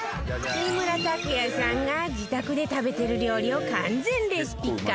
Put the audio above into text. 木村拓哉さんが自宅で食べてる料理を完全レシピ化